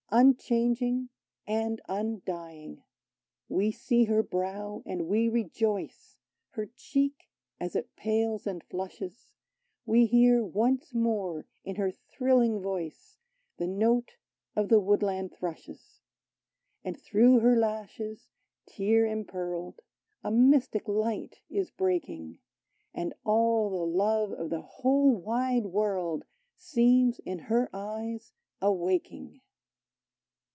Unchanging and undying ! 24 PERSEPHONE We see her brow, and we rejoice, Her cheek, as it pales and flushes, We hear once more in her thrilHng voice The note of the woodland thrushes ; And through her lashes, tear empearled, A mystic light is breaking, And all the love of the whole wide world Seems in her eyes awaking